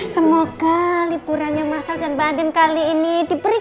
saya akan mencari jalan yang lebih baik